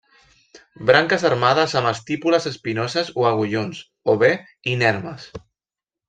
Branques armades amb estípules espinoses o agullons, o bé inermes.